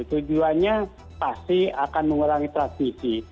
tujuannya pasti akan mengurangi transmisi